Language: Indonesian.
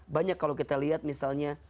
banyak kalau kita lihat misalnya